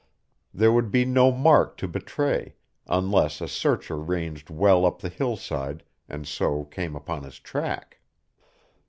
There would be no mark to betray, unless a searcher ranged well up the hillside and so came upon his track.